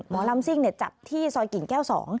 หมอลำซิ่งจัดที่ซอยกิ่งแก้ว๒